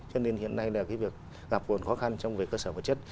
cho nên hiện nay là cái việc gặp còn khó khăn trong về cơ sở vật chất